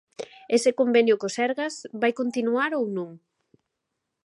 Ese convenio co Sergas ¿vai continuar ou non?